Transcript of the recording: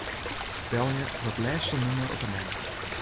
Belje dat lêste nûmer op 'e nij.